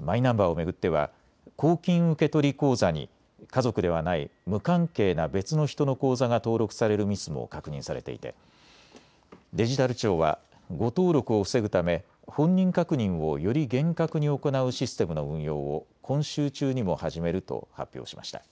マイナンバーを巡っては公金受取口座に家族ではない無関係な別の人の口座が登録されるミスも確認されていてデジタル庁は誤登録を防ぐため本人確認をより厳格に行うシステムの運用を今週中にも始めると発表しました。